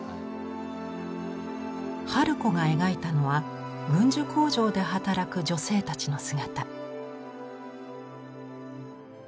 春子が描いたのは軍需工場で働く女性たちの姿。